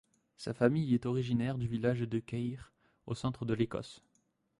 Sa famille est originaire du village de Keir, au centre de l'Écosse.